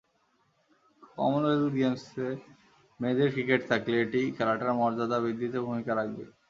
Commonwealth গেমসে মেয়েদের cricket থাকলে এটি খেলাটার মর্যাদা বৃদ্ধিতে ভূমিকা রাখবে।